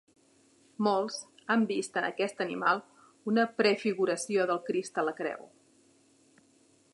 Molts han vist en aquest animal una prefiguració del Crist a la creu.